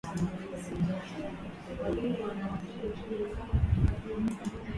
Kulingana na utafiti uliofanywa na madaktari Sanjoy Kumar pal Aparina Gomes